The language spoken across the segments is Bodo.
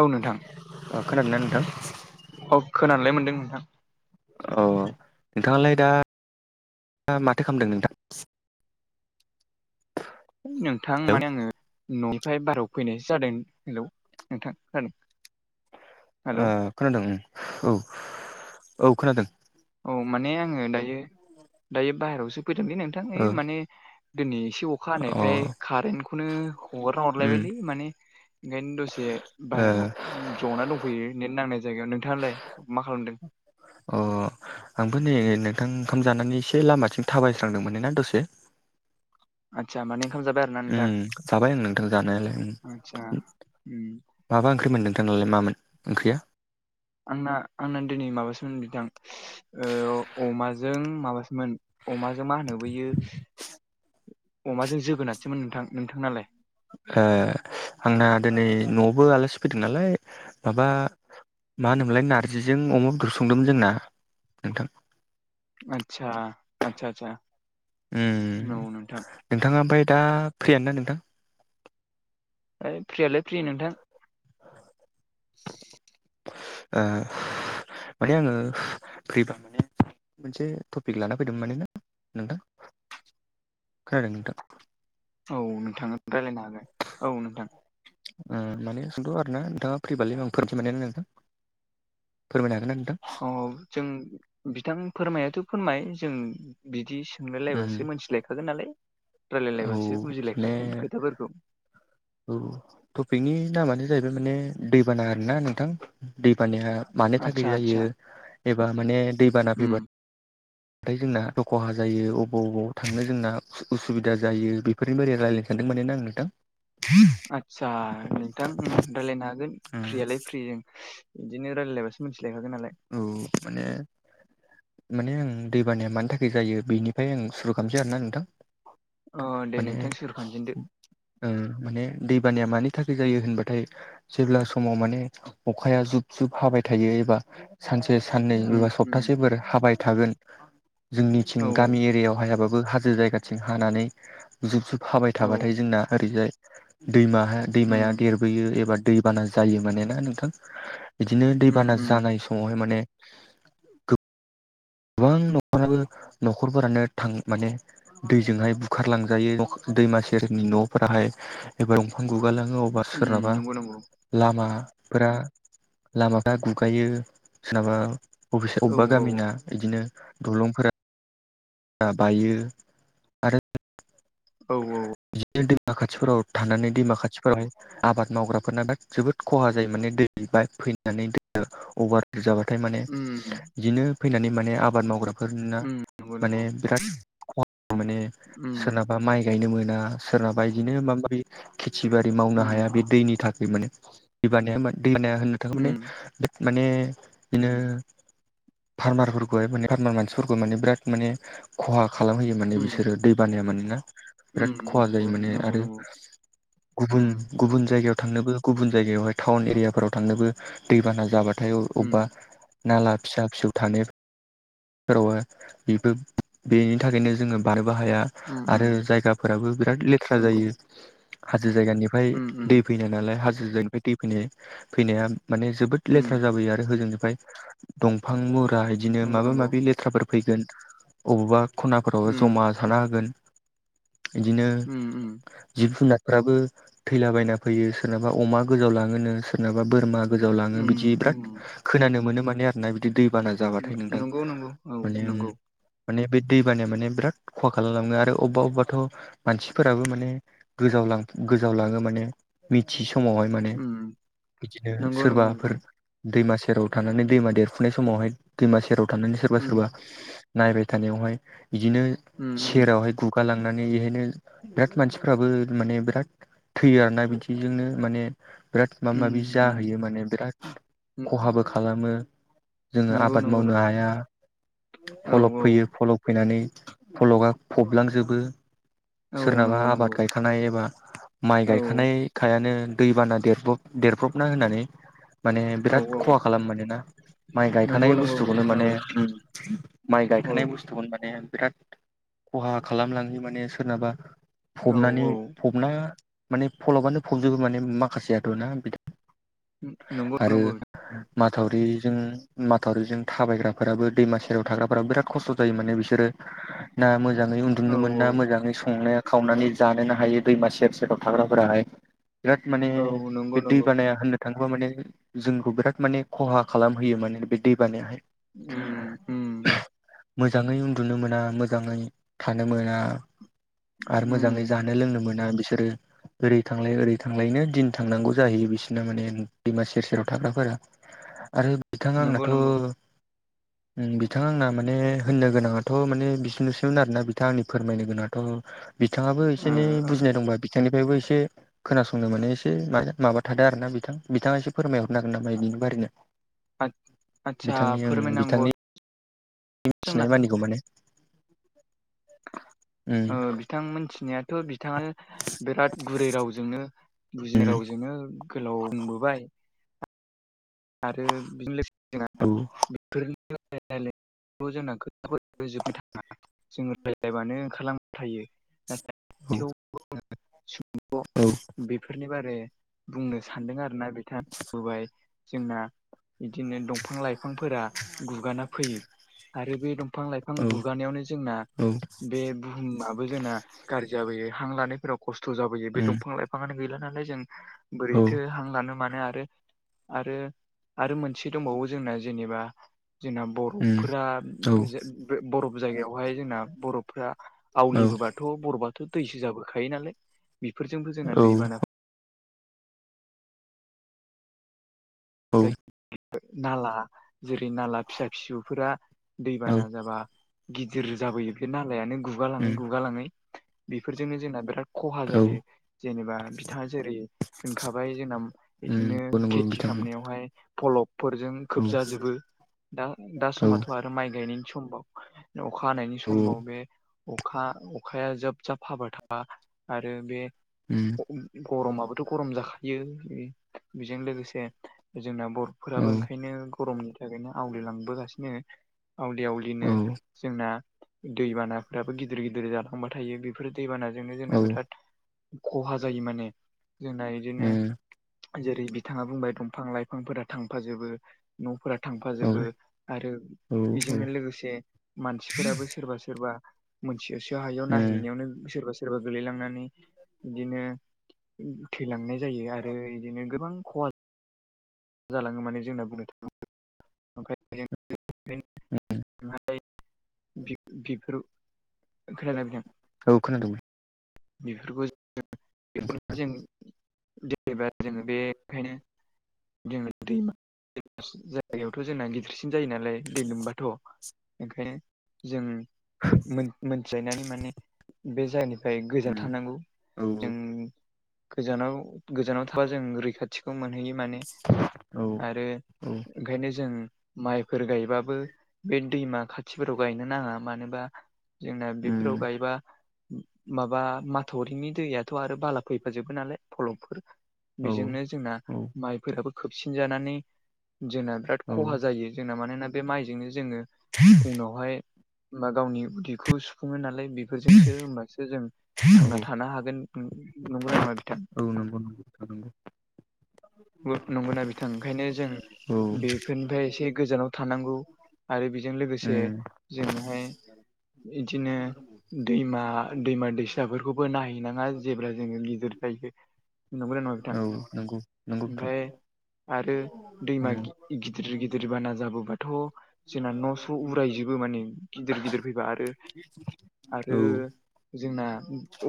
औ नोंथां अ खोनादोंना नोंथां? अ खोनालाय मोनदों नोंथां अ नोंथाङालाय दा माथो खालामदों नोंथां? नोंथां हेलौ माने आङो न'निफ्राय बारहायाव फैनायसो जादों हेलौ नोंथां खोनादों? हेलौ ओ खोनादों औ औ खोनादों औ माने आङो दायो दायो बाहेरायावसो फैदोंलै नोंथा ओय ओ माने दिनै एसे अखा अ हानायखाय कारेन्टखौनो हगारना उम हरलायबायलै माने ओंखायनो दसे ओ बाहहेरायाव जना दं फैयो नेट नांनाय जायगायाव नोंथाङालाय मा खालामदों? अ आंबो नै नोंथां ओंखाम जानानै एसे लामाथिं थाबायस्रांदोंमोन ना दसे आतसा माने ओंखाम जाबाय? आरोना नोंथां ओं जाबाय आं नोंथां जानायालाय आदसा उम माबा ओंख्रि मोनदों नोंथांनालाय मामोन ओंख्रिया? आंना आंना दिनै माबासोमोन बिथां ओ अमाजों माबासोमोन अमाजों मा होनो बयो अमाजों जोगोनारसोमोन नोंथां। नोंथांनालाय? ओ आंना दिनै न'आवबो आलासि फैदों नालाय माबा मा होनोमोनलाय नारजिजों अमा बेदरसो संदोंमोन जोंना नोंथां। आदसा आदसा आदसा उम नंगौ नोंथां। नोंथाङा ओमफ्राय दा फ्रियानो ना नोंथां? ओइ फ्रियालाय फ्रि नोंथां [inaudible] ओ माने आङो फ्रिबा माने मोनसे टपिक लाना फैदों माने ना नोंथां खोनादों नोंथां? औ नोंथां रायज्लायनो हागोन औ नोंथां ओ माने सोंथ' आरो ना नोंथाङा फ्रिबालाय आं [unintelligible] फोरमाय हागोन आं औ जों बिथां फोरमायाथ' फोरमाय जों बिदि उम सोंलायलायबासो मिथिलायखागोन नालाय औ रायलायलायबासो माने बुजिलायखागोन खोथाफोरखौ औ टपिकनि नामानो जाहैबाय माने दैबाना आरोना नोंथां दैबानाया मानो थाखाय आदसा जायो आदसा एबा माने दैबाना उम फैबा नाथाय जोंना द खहा जायो बबाव बबाव थांनो जोंना उसुबिदा जायो बे बेनि बार रायनोानदोंमोनान ना आं नोंथां थां [unintelligible] आदसा नोंथां रायजलायनो हागोन उम फ्रियालाय फ्रि जों बिदिनो रायजायलायबासो मिथिलायखागोन आरो औ माने माने आं दैबानाया मानि थाखाय जायो बेनिफ्राय आं सुरु खालामसै आरोना नोंथां अ दे माने नोंथां सोरुर खामजेनदो ओ माने दैबानाया मानि थाखाय जायो होनबाथाय जेब्ला समाव माने अखाया जुब-जुब हाबाय थायो एबा सानसे साननै उम एबा उम सप्तासेफोर हाबाय थागोन जोंनिथिं औ गामि एरियायाव हायाबा हाजो जायगाथिं हानानै जुब-जुब हाबाय औ थाबाथाय जोंना ओरैजाय दैमा उम दैमाया देरबोयो एबा दैबाना जायो मानोना नोंथां बिदिनो उम दैबाना उम जानाय सम समावहाय माने गोबां न'खराबो न'खरफोरानो थां माने दैजोंहाय बुखारलांजायो दैमा सेरनि न'फोराहाय एबा दंफां गुगालाङो अब्लाा उम सोरनाबा नंगौ नंगौ लामाफोरा लामाफ्रा गुगायो सोरनाबा अ' औ बबेबा औ गामिना बिदिनो दलंफोरा बायो। आरो औ औ बिदिनो दैमा खाथिफोराव थानानै दैमा खाथिफोराव। आबाद मावग्राफोरना जोबोद खहा जायो माने दै बाना फैनानै दै अभार बुरजाबाथाय माने उम बिदिनो फैनानै माने आबाद मावग्राफोरना उम नंगौ नंगौ माने बिराद खहा माने उम सोरनाबा माइ गायनो मोना सोरनाबा बिदिनो माब-माबि। खेथि बारि मावनो हाया उम बे दैनि थाखाय माने दैबानाया [unintelligible] थ' माने उम माने बिदिनो फार्मारफोरखौहाय माने फार्मार मानसिफोरखौ माने बिराद माने खहा खालामहोयो माने उम बिसोरो दै बानाया माने ना। उम बिराद खहा नंगौ जायो माने नंगौ आरो नंगौ गुबुन उम गुबुन जायगायाव थांनोबो गुबुन जायगायावहाय टाउन एरियाफोराव थांनोबो दैबाना जाबा हाथाय उम अबेबा नाला फिसा-फिसौ थानाय फोराव बेबो बेनि थाखायनो जोङो बारबो हाया। उम आरो उम जायगाफोराबो बिराद लेथ्रा नंगौ जायो हाजो जायगानि ओमफाय उम उम दै फैनाय नालाय हाजोजों ओमफाय दै फैनाय फैनाया माने जोबोद लेथ्रा उम जाबोयो आरो होजोंनिफाय दंफां मुरा बिदिनो नंगौ नंगौ माबा-माबि लेथ्राफोर फैगोन अबावबा खनाफोराव उम जमा थाना होगोन। बिदिनो उम उम जिब-जुनार फोराबो थैलाबायना फैयो सोरनाबा अमा गोजाव लाङोनो सोरनाबा बोरमा गोजाव लाङो उम बिदि बिराद उम खोनानो मोनो माने आरोना बिदि दैबाना जाबाथाय नोंथां। नंगौ नंगौ औ माने ओम। नंगौ माने बे दैबानाया माने बिराद खहा खालामलाङो आरो अबेबा अबेबाथ' मानसिफोराबो माने गोजाव गोजावलाङो माने मिथियै समावहाय माने उम बिदिनो नंगौ नंगौ सोरबाफोर बिथां दैमा सेराव थानानै दैमा देरफुनाय समावहाय दैमा सेराव थानानै उम सोरबा-सोरबा नायबाय थानायावहाय बिदिनो उम उम सेरावहाय गुगा लांनानै बेहायनो बिराद मानसिफ्राबो माने बिराद थैयो आरो ना बिदिजोंनो माने बिराद माबा माबि उम जाहैयो माने बिराद उम खहाबो खालामो जोङो नंगौ आबाद नंगौ मावनो नंगौ हाया औ फलब औ फैयो फलब फैनानै फलगा फबलांजोबो औ सोरनाबा नंगौ आबाद नंगौ गायखां थानाय एबा माइ औ गायखानायखायानो दैबाना देरब्रब देरब्रबना होननानै माने औ बिराद खहा औ खालामो मानोना माइ नंगौ गायखानाय नंगौ बुस्थुखौनो बिथां माने औ माने माइ औ गायखानाय बुस्थुखौ माने बिराद खहा खालामलाङै माने सोरनाबा औ फबनानै औ फबना माने फलबानो फबजोबो माने माखासेयाथ' ना। नंगौ आरो नंगौ माथावरिजों माथावरिजों थाबायग्रा। फोराबो दैमा सेराव थाग्राफोर बिराद खस्थ' जायो माने बिसोरो। ना मोजाङै औ उन्दुनो मोन औ ना मोजाङै संनाया खावनानै जानोनो हायो दैमा सेर सेराव थाग्राफोराहाय। बिराद माने औ नंगौ बे नंगौ दैबानाया होननो थाङोबा माने जोंखौ बिराद माने खहा खालामहोयो माने बे दैबानायाहाय। उम उम मोजाङै उन्दुनो मोना मोजाङै थानो मोना। आरो मोजाङै उम जानो लोंनो मोना बिसोरो। ओरै थांलाय ओरै थांलायनो दिन थांनांगौ जाहैयो बिसोरना माने दैमा सेर सेराव थाग्राफोरा। आरो बिथाङा नंगौ नंगौ आंनोथ' उम बिथाङा आंना माने होननो गोनाङाथ' माने बिसिनोसैमोन आरोना बिथाङा आंनि फोरमायनो गोनाङाथ'। बिथाङाबो एसे ओ एनै ओ बुजिनाय दंबा बिथांनिफ्रायबो एसे खोनासंनो माने एसे माने माबा थादों आरोना बिथां बिथाङा एसे फोरमायहरनो हागोन नामा बिनि बारैनो आदसा बिथांनि ओं। बिथांनि फोरमायनांगौआथ' जोंना मिथिनाय मानिखौ माने। उम ओ बिथां मोनथिनायाथ' बिथाङानो बिराद गुरै रावजोंनो बुजिनाय उम रावजोंनो गोलाव बुंबोबाय। औ आरो [unintelligible] बो जोंना खोताफोराथ' जोबनो थाङा जोङो रायलायबानो ओंखारलांबाय थायो औ नाथाय। [unintelligible] औ। बेफोरनि बारै बुंनो सानदों आरोना बिथां जोंना बिदिनो दंफां लायफांफोरा गुगाना फैयो। आरो बे दंफां लायफां औ गुगानायावनो जोंना औ बे बुहुमाबो जोंना गाज्रि जाबोयो हां लानायफोराव खस्थ' जाबोयो बे उम दंफां लाय फाङानो गैला नालाय जों औ बोरैथो हां लानो मानो आरो। आरो आरो मोनसे दंबावो जोंना जेनेबा जोंना उम बरफफोरा औ बरफ जायगायावहाय जोंना बर'फोरा आवलिबोबा। थ' बर'बाथ' दैसो जाबोखायो नालाय बिफोरजोंबो जोंना औ दैबाना औ नाला जेरै नाला फिसा फिसौफोरा दैबाना जाबा। गिदिर जाबोयो बे नालायानो गुगालाङै उम गुगालाङै बेफोरजोंनो जोंना बेराद खहा औ जायो जेनेबा बिथाङा जेरै होनखाबाय जोंना उम बिदिनो नंगौ नंगौ खेथि बिथां नायावहाय फलबफोरजों औ खोबजा जोबो दा दा औ समथ' आरो माय गायनायनि समबाव अखा हानायनि औ समबाव बे अखा अखाया जोब जाब हाबाय थाबा आरो बे उम गरमाबोथ' गरम जाखायो बिजों लोगोसे जोंना औ बर'फोराबो ओंखायनो गरमनि थाखायनो आवलिलांबोगासिनो। आवलि औ आवलिनो उम जोंना दैबानाफोराबो गिदिर गिदिर जालांबाय थायो बेफोर दैबानाजोंनो जोंना औ बेराद खहा जायो माने जोंना इदिनो जेरै बिथाङा बुंबाय दं फां लायफांफोरा थांफाजोबो न'फोरा औ थांफाजोबो। आरो औ उम बिजोंनो लोगोसे मानसिफोराबो सोरबा सोरबा मोनथिस' हायैयाव नायहैनायावनो सोरबा सोरबा गोलैलांनानै बिदिनो थैलांनाय जायो आरो इदिनो गोबां खहा जालाङो माने जोंना बुंनो थाङोब्ला ओंखायनो ओमफ्राय बि बिफोराव खोनादोंदा बिथां। औ खोनादों। बेफोरखौहाय [unintelligible] जेनेबा जोङो बेखायनो जेनेबा दैमा जायगायावथ' जोंना गिदिरसिन जायो नालाय दै लोमबाथ'। ओंखायनो जों मोन-मोनथिलायनानै माने बे जायगानिफ्राय गोजानाव थानांगौ औ जों गोजानाव गोजानाव थाबा जों रैखाथि खौ मोनहैयो माने आरो औ ओंखायनो जों मायफोर गायबाबो बे दैमा खाथिफोराव गायनो नाङा। उम माबा माथावरिनि दैयाथ' आरो बाला फैफाजोबो नालाय फलमफोर औ बेजोंनो जोंना माइफोराबो खोबसिन जानानै जोंना बिराद औ खहा जायो जोंना मानोना बे माइजोंनो जोङो। उनावहाय बा गावनि उदैखौ सुफुङो नालाय बे बेफोरजोंसो हबसो जों थांना थानो हागोन नंगौना नङा बिथां औ नंगौ। नंगौना बिथां ओंखायनो जों बे फोरनिफ्राय एसे गोजानाव थानांगौ आरो बेजों लोगोसे जोंनोहाय। बिदिनो दैमा दैमा नंगौना नङा बिथां औ नंगौ ओमफ्राय आरो दैमा उम गिदिर गिदिर बाना जाबोबाथ' जोंना न' स' उरायजोबो। औ जोंना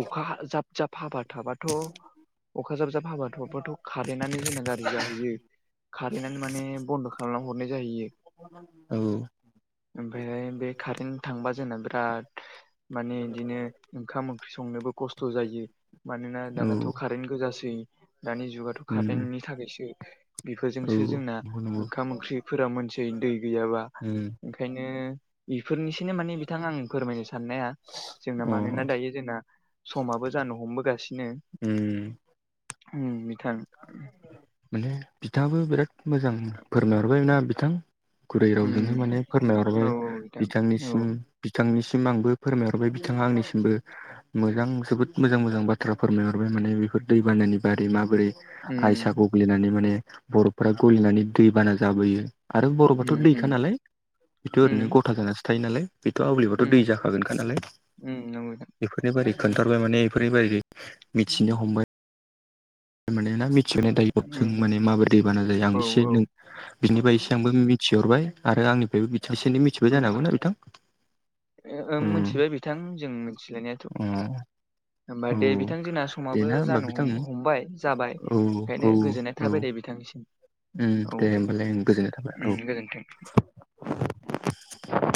अखा जाब जाब हाबा थाबाथ' अखा जाब जाब हाबाथ'बाथ' खारेन्टआनो जोंना गारि जाहैयो खारैनानै माने औ ओमफ्रायहाय बे कारेन्ट थांबा जोंना बिराद माने बिदिनो। ओंखाम ओंख्रि संनोबो खस्थ' जायो। मानोना दानाथ' कारेन्ट गोजासै दानि जुगाथ' उम कारेन्टनि थाखायसो। औ बेफोरजोंसो जोंना नंगौ नंगौ ओंखाम ओंख्रिफोरा मोनसे दै गैयाबा उम ओंखायनो बेफोरनिसोनो माने बिथां आं फोरमायनो साननाया जोंना मा अ मानोना दायो जोंना समाबो जानो हमबोगासिनो उ उ बिथां माने बिथाङाबो। बिराद मोजां फोरमायहरबाया बिथां। गुरै रावजोंनो उम माने औ फोरमायहरबाय बिथां औ बिथांनिसिम बिथांनिसिम आंबो फोरमायहरबाय बिथाङा आंनिसिमबो मोजां जोबोद मोजां मोजां बाथ्रा फोरमायहरबाय माने बेफोर दै बानानि बारै माबोरै आइसा उम गग्लिनानै माने बरफ फ्राय गलिनानै दैबाना जाबोयो आरो बर'फाथ' उम दैखा उम नालाय बेथ' ओरैनो उम गथा जानानैसो थायो नालाय। बेथ' आवगलिबाथ' दै उम जाखागोनखा नालाय उम नंगौ बिथां बेफोरनि बारै खोन बथारबाय माने बेफोर बदि मिथिनो हमबाय। माने ना मिथिहोनाय दाय जों उम मान माबोरै दै बाना जायो औ आं एसे औ नों बिनिफ्राय एसे आंबो मिथिहरबाय आरो आंनिफ्रायबो एसे एनै मिथिबाय जानो हागौनाा बिथां ओं उम मिथिबाय बिथां जों मिथिलायनायाथ' औ [unintelligible] होमबा दे बिथां जोंना समाबो देना होमबा जानो बिथां हमबाय जाबाय औ औ ओंखायनो गोजोननाय औ थाबाय दे बिथांनिसिम दे होमबालाय आं गोजोननाय थाबाय औ [unintelligible]